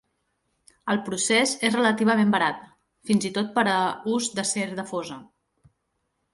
El procés és relativament barat, fins i tot per a ús d'acer de fosa.